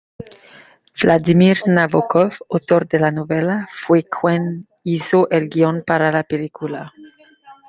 Vladimir Nabokov, autor de la novela, fue quien hizo el guion para la película.